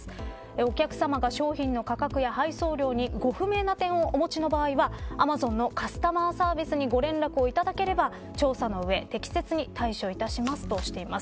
お客さまが商品の価格や配送料にご不明な点をお持ちの場合はアマゾンのカスタマーサービスにご連絡をいただければ調査の上、適切に対処しますとしています。